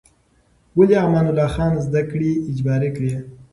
ولې امان الله خان زده کړې اجباري کړې؟